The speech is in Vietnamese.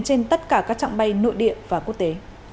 trên tất cả các trạng bay nội địa và quốc tế